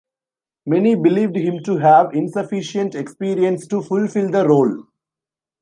Many believed him to have insufficient experience to fulfill the role.